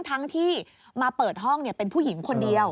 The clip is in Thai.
ทั้งที่มาเปิดห้องเป็นผู้หญิงคนเดียว